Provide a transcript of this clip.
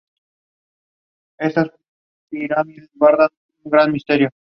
En general su aspecto es robusto, fuerte y a la vez ágil, nunca masivo.